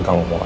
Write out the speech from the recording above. kau mau apa